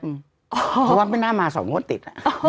เพราะว่าไม่น่ามา๒งวดติด